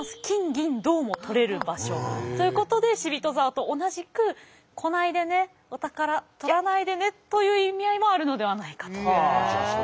金銀銅も採れる場所ということで死人沢と同じく「来ないでねお宝とらないでね」という意味合いもあるのではないかと。